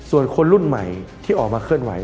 ส่วนคนรุ่นใหม่ที่ออกมาเคลื่อนไห